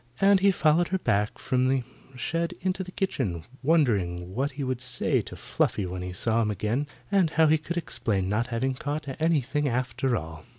And he followed her back from the shed into the kitchen, wondering what he would say to Fluffy when he saw him again, and how he could explain not having caught anything after all.